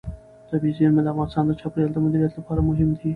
طبیعي زیرمې د افغانستان د چاپیریال د مدیریت لپاره مهم دي.